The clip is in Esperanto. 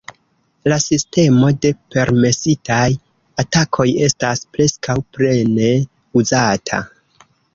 La sistemo de "permesitaj" atakoj estas preskaŭ plene uzata.